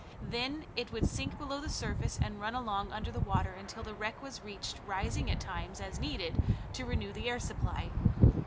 Then it would sink below the surface, and run along under the water until the wreck was reached, rising at times, as needed, to renew the air supply.